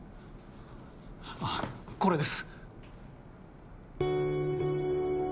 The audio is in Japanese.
あっこれです。